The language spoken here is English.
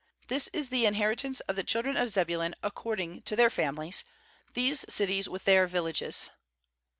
16This is the inheritance of the children of Zebulun according to their 283 19.16 JOSHUA families, these cities with, their villages.